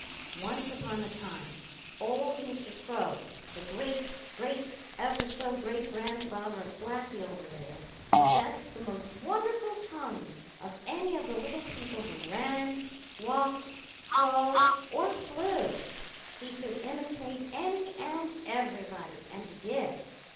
"Once upon a time old Mr. Crow, the great great ever so great grandfather of Blacky, over there, possessed the most wonderful tongue of any of the little people who ran, walked, crawled, or flew. He could imitate any and everybody, and he did.